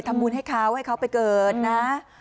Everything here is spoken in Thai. ทำบุญให้เขาให้เขาไปเกิดนะ